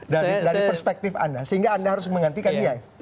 dari perspektif anda sehingga anda harus menghentikan dia